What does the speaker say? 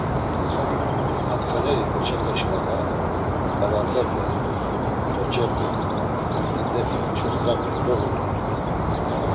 Atxeneri ǩoçepe şǩala, ǩalatepe, toç̌epe, ǩirǩit̆epe, çost̆apeti doğuru dort̆u.